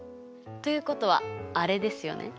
ということはあれですよね。